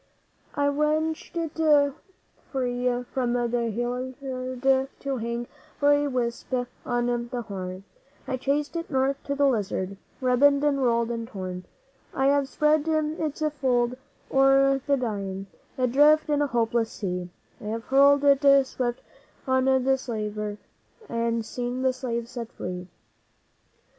'I have wrenched it free from the halliard to hang for a wisp on the Horn; I have chased it north to the Lizard ribboned and rolled and torn; I have spread its fold o'er the dying, adrift in a hopeless sea; I have hurled it swift on the slaver, and seen the slave set free.